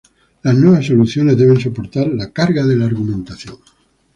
Las nuevas soluciones deben soportar la carga de la argumentación.